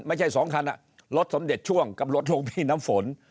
ไม่ใช่๒คันรถสมเด็จช่วงกับรถหลวงพี่น้ำฝน